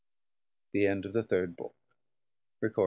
The End Of The Third Book. BOOK IV.